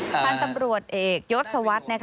ฟังตำรวจเอกยสวัสดิ์